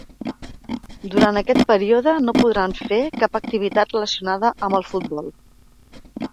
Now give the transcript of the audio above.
Durant aquest període no podran fer cap activitat relacionada amb el futbol.